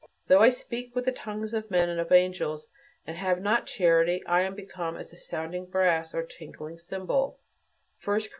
Though I speak with the tongues of men and of angels and have not charity, I am became as sounding brass or a tinkling cymbal" (1 Cor.